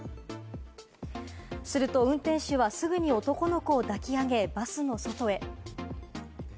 すると運転手はすぐに男の子を抱き上げバスの外へ。